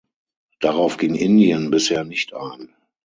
Darauf ging Indien bisher nicht ein.